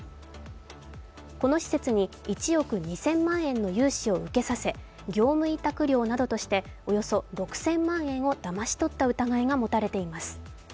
この施設に１億２０００万円の融資を受けさせ、業務受託料などとしておよそ６０００万円をだまし取った疑いが持たれています。